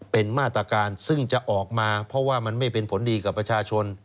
เป็นมาตรการซึ่งจะออกมาเพราะว่ามันไม่เป็นผลดีกับประชาชน